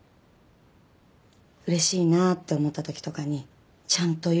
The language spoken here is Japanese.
嬉しいなって思った時とかにちゃんと言うの。